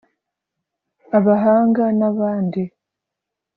abahanga n’abandi